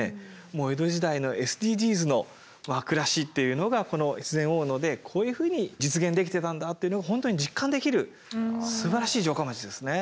江戸時代のＳＤＧｓの暮らしというのがこの越前大野でこういうふうに実現できてたんだというのが本当に実感できるすばらしい城下町ですね。